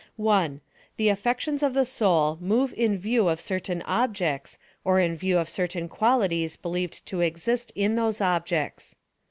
1. The affections of the soul move in view of certain objects, or in view of certain qualities be lieved to exist in those objects.